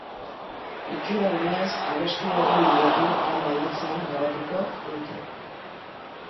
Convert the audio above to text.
Itxura denez, abesti horren bideoklipa maiatzean grabatuko dute.